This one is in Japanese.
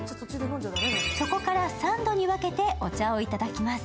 そこから３度に分けてお茶をいただきます。